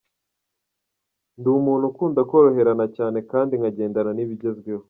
Ndi umuntu ukunda koroherana cyane kandi nkagendana n’ibigezweho.